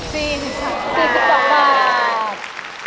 ๔๒บาท